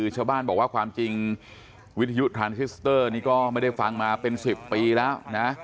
ชาวบ้านบอกว่าความจริงวิทยุทรานซิสเตอร์นี่ก็ไม่ได้ฟังมาเป็น๑๐ปีแล้วนะ